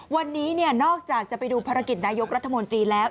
วันนี้นอกจากจะไปดูภารกิจนายกรัฐมนตรีแล้ว